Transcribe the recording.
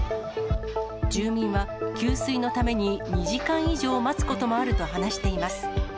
住民は給水のために２時間以上待つこともあると話しています。